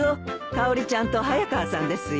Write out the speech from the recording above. かおりちゃんと早川さんですよ。